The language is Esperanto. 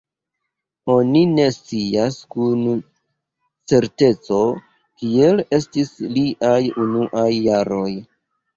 Oni ne scias kun certeco kiel estis liaj unuaj jaroj.